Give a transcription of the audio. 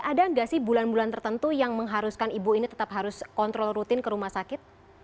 ada nggak sih bulan bulan tertentu yang mengharuskan ibu ini tetap harus kontrol rutin ke rumah sakit